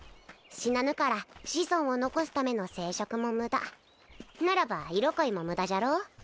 死なぬから子孫を残すための生殖もムダならば色恋もムダじゃろう？